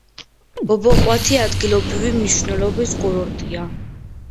ბობოყვათი ადგილობრივი მნიშვნელობის კურორტია.